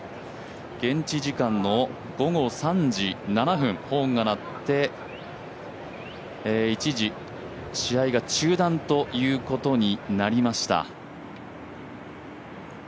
現地時間の午後３時７分ホーンが鳴って一時試合が中断ということになりました。